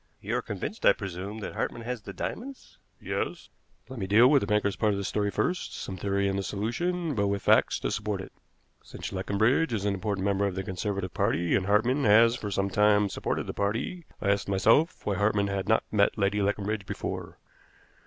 "You are convinced, I presume, that Hartmann has the diamonds?" "Yes." "Let me deal with the banker's part in the story first some theory in the solution, but with facts to support it. Since Leconbridge is an important member of the Conservative Party, and Hartmann has for some time supported the party, I asked myself why Hartmann had not met Lady Leconbridge before.